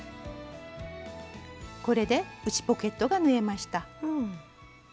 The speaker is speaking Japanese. これで内ポケットが縫えました。